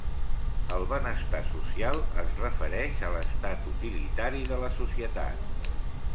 El benestar social es refereix a l'estat utilitari de la societat.